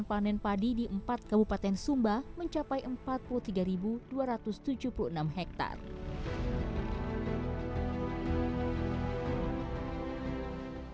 panen padi di empat kabupaten sumba mencapai empat puluh tiga dua ratus tujuh puluh enam hektare